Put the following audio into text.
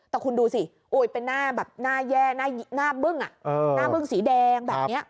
แต่คุณดูสิโอ๊ยเป็นหน้าแย่หน้าบึ้งหน้าบึ้งสีแดงแบบนี้